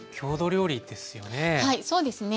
はいそうですね。